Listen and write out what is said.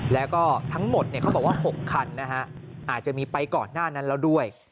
แล้วก็ทั้งหมดเขาบอกว่า๖คันนะฮะอาจจะมีไปก่อนหน้านั้นแล้วด้วย